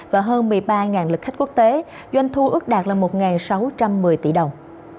và hơn một mươi ba lực khách quốc tế doanh thu ước đạt là một sáu trăm một mươi tỷ đồng